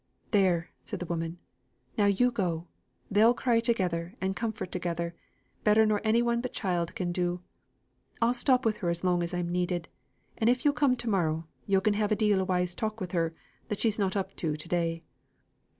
"There!" said the woman, "now you go. They'll cry together, and comfort together, better nor any one but a child can do. I'll stop with her as long as I'm needed, and if you come to morrow, you' can have a deal o' wise talk with her, that she's not up to to day."